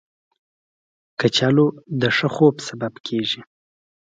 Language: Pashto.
کچالو د ښه خوب سبب کېږي